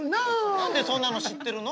何でそんなの知ってるの？